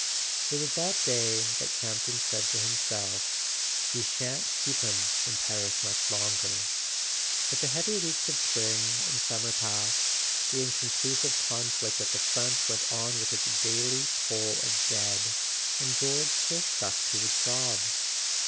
It was that day that Campton said to himself: "We shan't keep him in Paris much longer." But the heavy weeks of spring and summer passed, the inconclusive conflict at the front went on with its daily toll of dead, and George still stuck to his job.